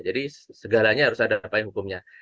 jadi segalanya harus ada apa yang hukumnya